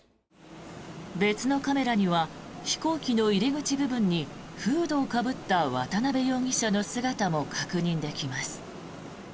別のカメラには飛行機の入り口部分にフードをかぶった渡邉容疑者の姿も確認できます。